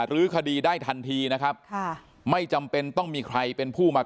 รื้อคดีได้ทันทีนะครับค่ะไม่จำเป็นต้องมีใครเป็นผู้มา